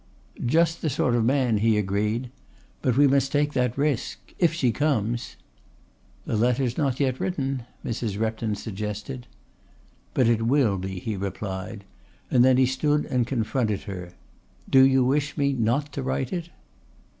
"Just the sort of man," he agreed. "But we must take that risk if she comes." "The letter's not yet written," Mrs. Repton suggested. "But it will be," he replied, and then he stood and confronted her. "Do you wish me not to write it?"